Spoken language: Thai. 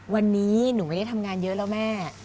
วันนี้หนูไม่ได้ทำงานเยอะแล้วแม่